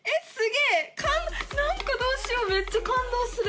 どうしよう⁉めっちゃ感動する。